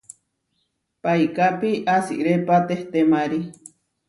Paikápi asirépa tehtémari.